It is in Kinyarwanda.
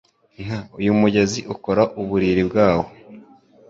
Nka uyu mugezi ukora uburiri bwawo